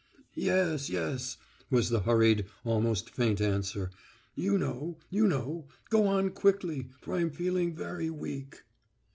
"Yes, yes," was the hurried, almost faint answer. "You know, you know; go on quickly, for I'm feeling very weak."